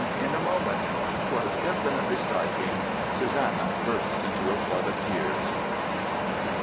in a moment! 'Twas infinitely striking! Susannah burst into a flood of tears."